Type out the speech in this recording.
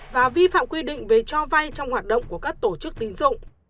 và vi phạm quy định về cho vay trong hoạt động của các tổ chức tín dụng